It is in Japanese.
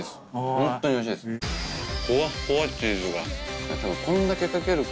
ホントにおいしいです。です